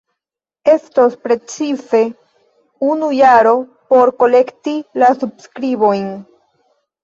Estos precize unu jaro por kolekti la subskribojn.